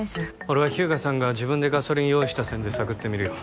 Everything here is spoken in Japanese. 俺は日向さんが自分でガソリン用意した線で探ってみるよ